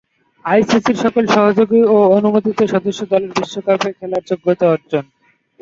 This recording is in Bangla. আইসিসি’র সকল সহযোগী ও অনুমোদিত সদস্য দলের বিশ্বকাপে খেলার যোগ্যতা অর্জন।